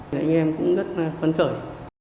anh em cũng rất khuấn khởi